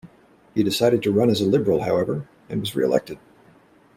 He decided to run as a Liberal, however, and was re-elected.